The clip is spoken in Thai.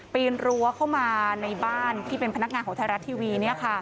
ปีนรั้วเข้ามาในบ้านที่เป็นพนักงานของไทยรัฐทีวี